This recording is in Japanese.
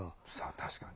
確かに。